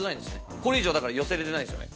これ以上、だから寄せれないんですよね。